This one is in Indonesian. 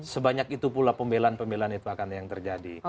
sebanyak itu pula pembelahan pembelahan itu akan yang terjadi